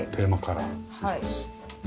失礼します。